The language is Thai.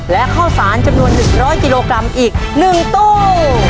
และข้าวสารจำนวน๑๐๐กิโลกรัมอีก๑ตู้